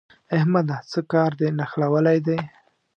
احمده! څه کار دې نښلولی دی؟